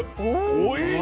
おいしい。